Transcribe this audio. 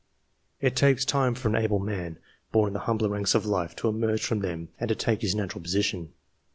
It takes time for an able man, born in the humbler ranks of life, to emerge from them and to take his natural posi tion.